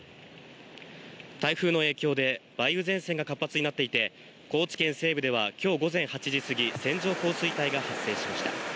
台風の影響で、梅雨前線が活発になっていて、高知県西部ではきょう午前８時過ぎ、線状降水帯が発生しました。